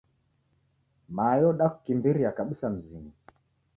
Mayo udakukimbiria kabusa mzinyi.